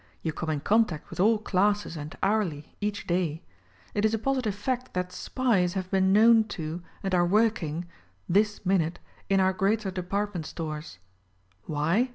You come in contact with all classes and hourly, each day. It is a positive fact that SPIES have been known to, and are working — ^this minute, in our greater department stores. W^hy?